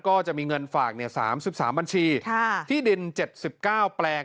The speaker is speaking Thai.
ก็จะมีเงินฝาก๓๓บัญชีที่ดิน๗๙แปลง